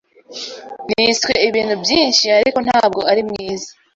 Niswe ibintu byinshi, ariko ntabwo ari mwiza.